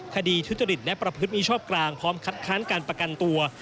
ทุจริตและประพฤติมีชอบกลางพร้อมคัดค้านการประกันตัว